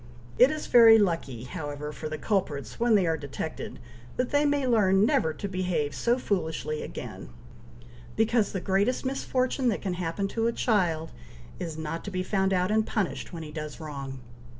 It is very lucky, however, for the culprits, when they are detected, that they may learn never to behave so foolishly again, because the greatest misfortune that can happen to a child is, not to be found out and punished when he does wrong.